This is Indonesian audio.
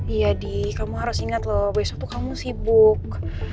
iya di kamu harus ingat loh besok tuh kamu sibuk